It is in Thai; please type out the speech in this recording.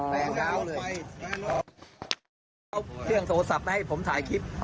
เรื่องโทรศัพท์ไม่ให้ผมถ่ายคลิป